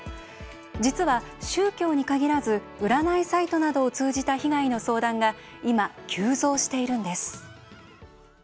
実は宗教に限らず占いサイトなどを通じた被害の相談が今、急増しているんです。